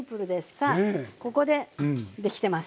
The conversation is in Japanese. さあここでできてます。